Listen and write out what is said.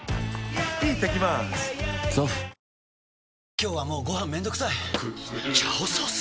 今日はもうご飯めんどくさい「炒ソース」！？